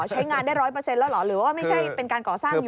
ใช้งานได้ร้อยเปอร์เซ็นต์แล้วเหรอหรือว่าไม่ใช่เป็นการก่อสร้างอยู่หรือเปล่า